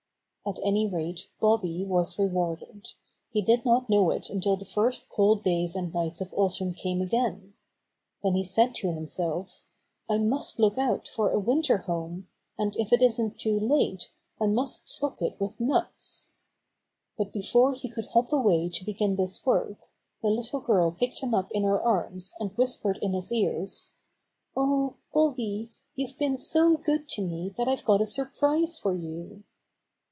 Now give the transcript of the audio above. At any rate Bobby was rewarded. He did not know it until the first cold days and nights of autumn came again. Then he said to him self : "I must look out for a winter home, and, if it isn't too late, I must stock it with nuts." But before he could hop away to begin this work, the little girl picked him up in her arms and whispered in his ears : *^Oh, Bobby, you've been so good to me that I've got a surprise for you."